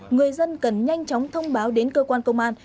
người dân cần nhanh chóng thông báo đến cơ quan công an